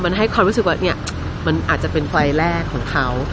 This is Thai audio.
มันให้ความรู้สึกว่าเนี่ยมันอาจจะเป็นไฟล์แรกของเขา